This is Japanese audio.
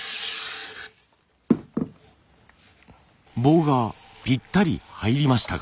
棒がぴったり入りましたが。